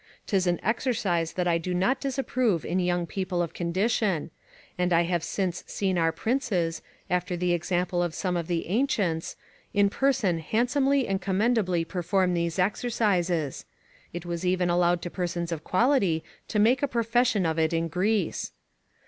'Tis an exercise that I do not disapprove in young people of condition; and I have since seen our princes, after the example of some of the ancients, in person handsomely and commendably perform these exercises; it was even allowed to persons of quality to make a profession of it in Greece.